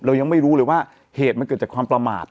ยังไม่รู้เลยว่าเหตุมันเกิดจากความประมาท